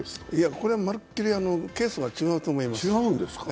これはまるっきりケースが違うと思います。